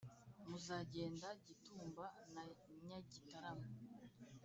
Muzagenda Gitumba na Nyagitarama